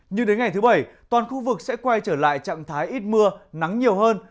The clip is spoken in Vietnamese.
nhưng đến ngày thứ bảy toàn khu vực sẽ quay trở lại trạng thái ít mưa nắng nhiều hơn